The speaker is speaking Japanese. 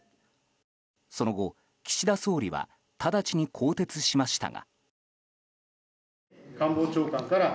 その後、岸田総理は直ちに更迭しましたが。